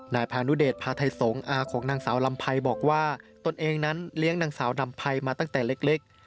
พานุเดชพาไทยสงฆ์อาของนางสาวลำไพรบอกว่าตนเองนั้นเลี้ยงนางสาวนำไพรมาตั้งแต่เล็ก